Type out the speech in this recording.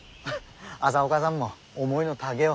朝岡さんも思いの丈を。